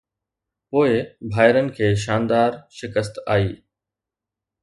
پوءِ ڀائرن کي ”شاندار“ شڪست آئي